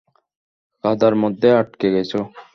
কাঁদার মধ্যে আটকে গেছো?